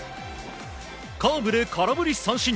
カーブで空振り三振。